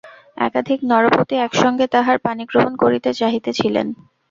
একাধিক নরপতি একসঙ্গে তাঁহার পাণিগ্রহণ করিতে চাহিতেছিলেন।